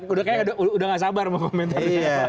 udah kayak gak sabar mau komentar